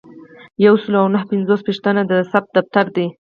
یو سل او نهه پنځوسمه پوښتنه د ثبت دفتر دی.